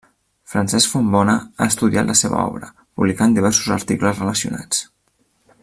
Francesc Fontbona ha estudiat la seva obra, publicant diversos articles relacionats.